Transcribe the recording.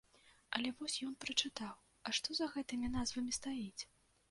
Але вось ён прачытаў, а што за гэтымі назвамі стаіць?